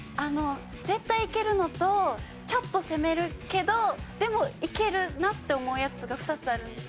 絶対いけるのとちょっと攻めるけどでもいけるなって思うやつが２つあるんです。